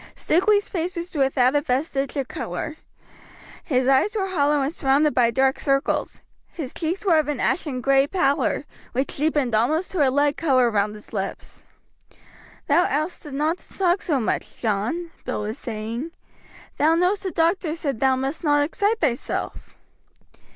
Stukeley's face was without a vestige of color; his eyes were hollow and surrounded by dark circles; his cheeks were of an ashen gray pallor, which deepened almost to a lead color round his lips. "Thou ought'st not to talk so much, John," Bill was saying. "Thou know'st the doctor said thou must not excite thyself."